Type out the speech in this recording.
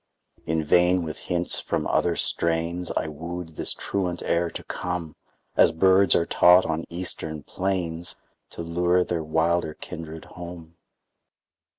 In vain with hints from other strains I wooed this truant air to come As birds are taught on eastern plains To lure their wilder kindred home.